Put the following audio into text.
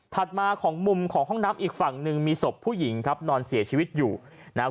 มาของมุมของห้องน้ำอีกฝั่งหนึ่งมีศพผู้หญิงครับนอนเสียชีวิตอยู่นะครับ